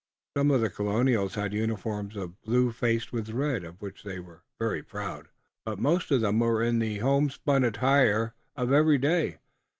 Some of the Colonials had uniforms of blue faced with red, of which they were very proud, but most of them were in the homespun attire of every day.